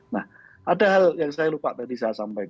nah ada hal yang saya lupa tadi saya sampaikan